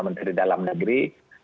menteri dalam negeri